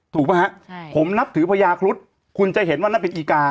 ถูกไหมฮะใช่ผมนับถือพญาครุฑคุณจะเห็นว่านั่นเป็นอีกา